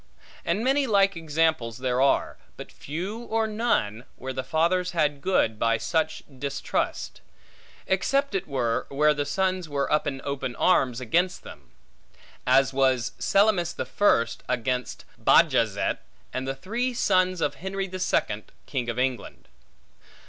And many like examples there are; but few or none, where the fathers had good by such distrust; except it were, where the sons were up in open arms against them; as was Selymus the First against Bajazet; and the three sons of Henry the Second, King of England.